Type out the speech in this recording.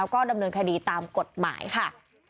แล้วก็ดำเนินคดีตามกฎหมายค่ะ